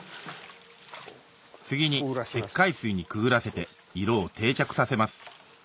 次に石灰水にくぐらせて色を定着させます